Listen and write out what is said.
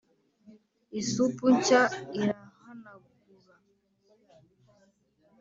isupu nshya irahanagura